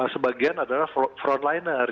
sebagian adalah frontliner